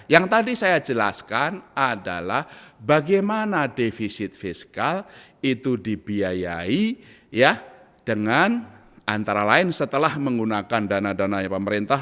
yang tadi saya jelaskan adalah bagaimana defisit fiskal itu dibiayai dengan antara lain setelah menggunakan dana dananya pemerintah